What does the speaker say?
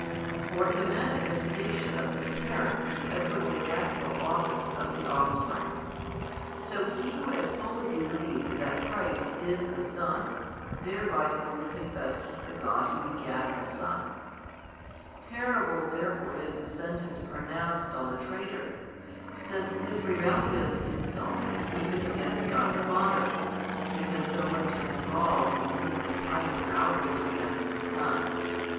For the manifestation of the |193 parent is ever the natural office of the offspring. So he who has fully believed that Christ is the Son thereby fully confesses the God Who begat the Son. Terrible therefore is the sentence pronounced on the traitor, since his rebellious insult is even against God the Father, because so much is involved in his impious outrage against the Son.